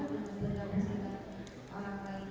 bergabung dengan orang baik